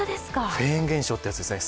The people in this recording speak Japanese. フェーン現象ってやつですね